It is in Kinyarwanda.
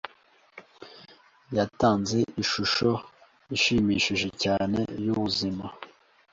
Yatanze ishusho ishimishije cyane yubuzima